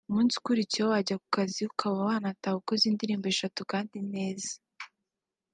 umunsi ukurikiyeho wajya ku kazi ukaba wanataha ukoze nk’indirimbo eshatu kandi neza